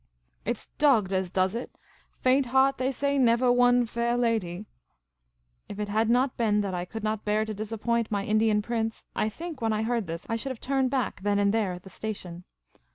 It 's dogged as does it ; faint heart, they say, nevah won fair lady !" If it had not been that I could not bear to disappoint my Indian prince, I think, when I heard this, I should have turned back then and there at the station.